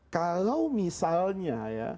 kalau misalnya ya